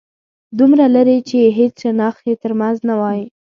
دومره لرې چې هيڅ شناخت يې تر منځ نه وای